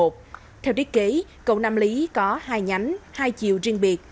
theo thiết kế cầu nam lý có hai nhánh hai chiều riêng biệt